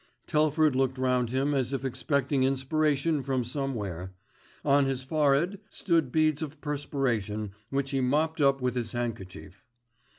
Telford looked round him as if expecting inspiration from somewhere. On his forehead stood beads of perspiration which he mopped up with his handkerchief.